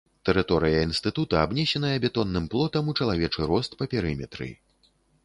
Тэрыторыя інстытута абнесеная бетонным плотам у чалавечы рост па перыметры.